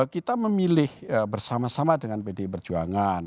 kita memilih bersama sama dengan pdi perjuangan